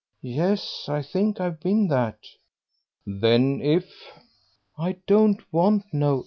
"Yes, I think I've been that." "Then if " "I don't want no ifs.